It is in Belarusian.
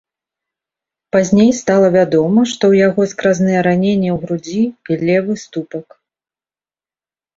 Пазней стала вядома, што ў яго скразныя раненні ў грудзі і левы ступак.